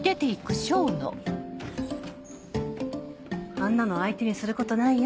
あんなの相手にすることないよ。